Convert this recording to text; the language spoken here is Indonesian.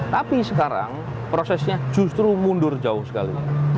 tapi sekarang prosesnya justru mundur jauh sekali